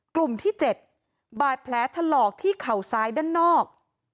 กลุ่มที่๗บาดแผลถลอกที่เข่าซ้ายด้านนอก